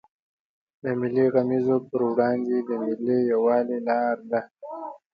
د ملي غمیزو پر وړاندې د ملي یوالي لار ده.